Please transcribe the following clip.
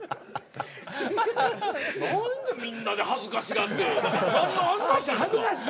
何でみんなで恥ずかしがって。